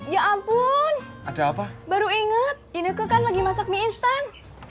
ya ampun ada apa baru inget ini kok kan lagi masak mie instan